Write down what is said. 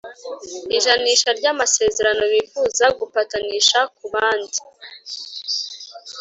ijanisha ry amasezerano bifuza gupatanisha ku bandi